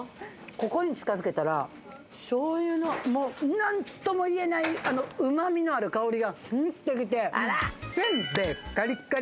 ここに近づけたら、しょうゆの何とも言えないうま味のある香りがグッときてせんべいガリガリ。